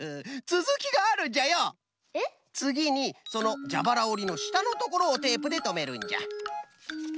つぎにそのじゃばらおりのしたのところをテープでとめるんじゃ。